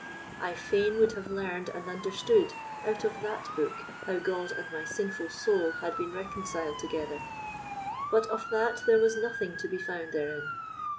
I fain would have learned and understood out of that book how God and my sinful soul had been reconciled together; but of that there was nothing to be found therein.